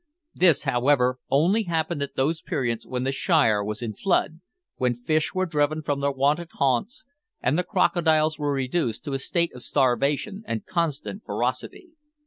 This, however, only happened at those periods when the Shire was in flood, when fish were driven from their wonted haunts, and the crocodiles were reduced to a state of starvation and consequent ferocity.